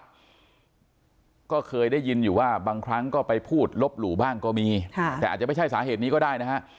ก็เคยได้ยินอยู่ว่าบางครั้งก็ไปพูดลบหลู่บ้างก็มีแต่อาจจะไม่ใช่สาเหตุนี้ก็ได้นะฮะ